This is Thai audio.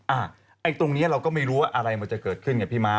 ไอ้ตรงนี้เราก็ไม่รู้ว่าอะไรมันจะเกิดขึ้นไงพี่ม้า